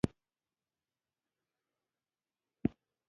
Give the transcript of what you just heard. زه زړه په لاس کې ورکړم ، دى واي پښتورگى دى.